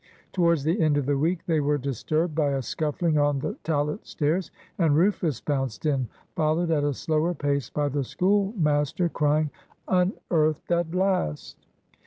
Towards the end of the week they were disturbed by a scuffling on the tallet stairs, and Rufus bounced in, followed at a slower pace by the schoolmaster, crying, "Unearthed at last!"